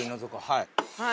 はい